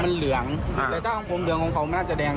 มาเก็บตรงไหนบ้างมาเก็บตรงไหนบ้าง